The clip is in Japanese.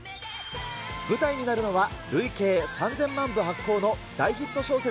舞台になるのは、累計３０００万部発行の大ヒット小説